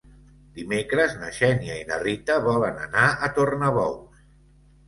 Dimecres na Xènia i na Rita volen anar a Tornabous.